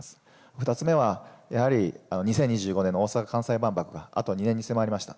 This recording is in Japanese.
２つ目は、やはり２０２５年の大阪・関西万博が、あと２年に迫りました。